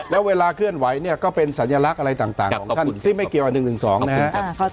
แล้วเวลาเคลื่อนไหวเนี่ยก็เป็นสัญลักษณ์อะไรต่างของท่านที่ไม่เกี่ยวกับ๑๑๒นะครับ